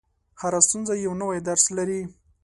• هره ستونزه یو نوی درس لري.